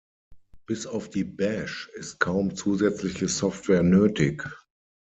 Bis auf die Bash ist kaum zusätzliche Software nötig.